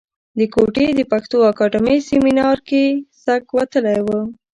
د کوټې د پښتو اکاډمۍ سیمنار کې یې سک وتلی و.